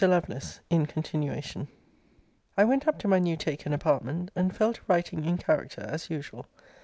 LOVELACE [IN CONTINUATION.] I went up to my new taken apartment, and fell to writing in character, as usual.